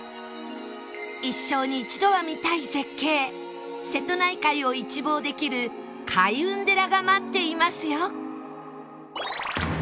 一生に一度は見たい絶景瀬戸内海を一望できる開運寺が待っていますよ